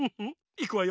いくわよ。